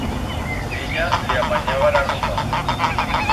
Ella le apanyaba la ropa.